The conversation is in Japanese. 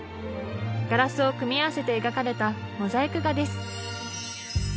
ガラスを組み合わせて描かれたモザイク画です。